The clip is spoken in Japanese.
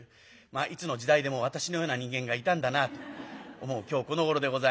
いつの時代でも私のような人間がいたんだなと思う今日このごろでございますが。